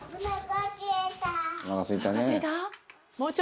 「おなかすいたね」